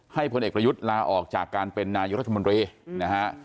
พลเอกประยุทธ์ลาออกจากการเป็นนายกรัฐมนตรีนะฮะ